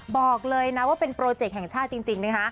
บอกเลยนะว่าเป็นโปรเจกต์แห่งชาติจริงนะคะ